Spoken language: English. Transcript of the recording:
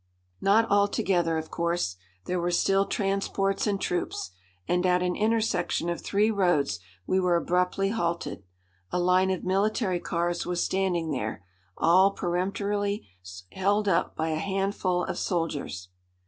Not altogether, of course. There were still transports and troops. And at an intersection of three roads we were abruptly halted. A line of military cars was standing there, all peremptorily held up by a handful of soldiers.